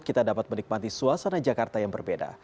kita dapat menikmati suasana jakarta yang berbeda